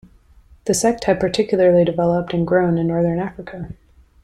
The sect had particularly developed and grown in northern Africa.